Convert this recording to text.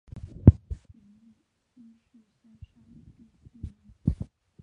袁翼新市乡上碧溪人。